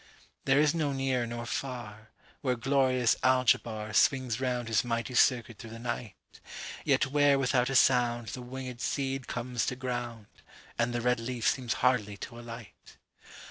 There is no near nor far, Where glorious AlgebarSwings round his mighty circuit through the night, Yet where without a soundThe winged seed comes to ground, And the red leaf seems hardly to alight.